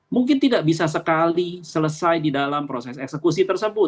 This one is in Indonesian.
mungkin tidak bisa sekali selesai di dalam proses eksekusi tersebut